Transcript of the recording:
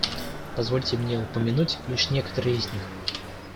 Позвольте мне упомянуть лишь некоторые из них.